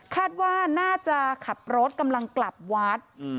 คาดว่าน่าจะขับรถกำลังกลับวัด